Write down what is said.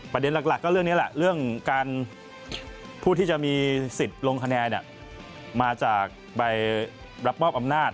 ประเด็นหลักก็เรื่องนี้แหละเรื่องการผู้ที่จะมีสิทธิ์ลงคะแนนมาจากใบรับมอบอำนาจ